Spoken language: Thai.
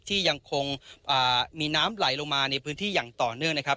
ที่ยังคงมีน้ำไหลลงมาในพื้นที่อย่างต่อเนื่องนะครับ